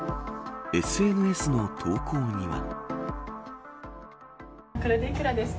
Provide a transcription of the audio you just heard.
ＳＮＳの投稿には。